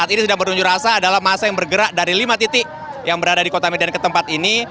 saat ini sedang berunjuk rasa adalah masa yang bergerak dari lima titik yang berada di kota medan ke tempat ini